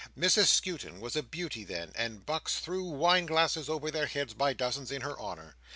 Mrs Skewton was a beauty then, and bucks threw wine glasses over their heads by dozens in her honour.